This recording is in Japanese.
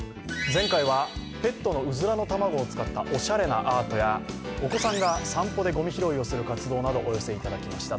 前回はペットのうずらの卵を使ったおしゃれなアートやお子さんが散歩でごみ拾いをする活動などお寄せいただきました。